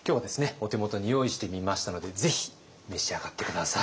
お手元に用意してみましたのでぜひ召し上がって下さい。